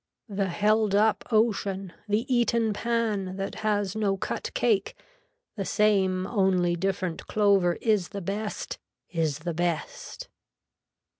The held up ocean, the eaten pan that has no cut cake, the same only different clover is the best, is the best.